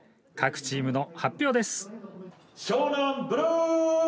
各チームの発表です。